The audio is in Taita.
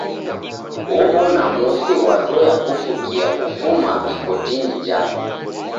Ow'ona mosi ghwazoya kufukia kufuma ikotinyi jape.